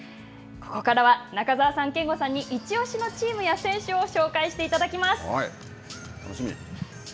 ここからは中澤さん、憲剛さんにイチオシのチームや選手を紹介していただきます。